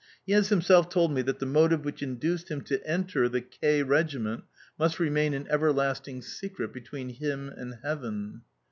He has himself told me that the motive which induced him to enter the K regiment must remain an everlasting secret between him and Heaven.